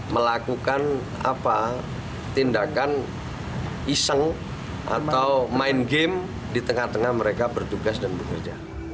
melakukan tindakan iseng atau main game di tengah tengah mereka bertugas dan bekerja